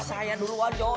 saya duluan cowok